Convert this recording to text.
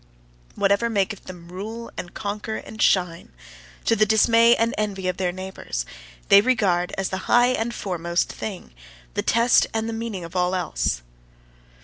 Whatever maketh them rule and conquer and shine, to the dismay and envy of their neighbours, they regard as the high and foremost thing, the test and the meaning of all else.